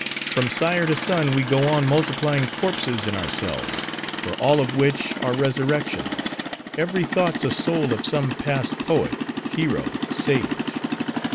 From sire to son, we go on multiplying corpses in ourselves; for all of which, are resurrections. Every thought's a soul of some past poet, hero, sage.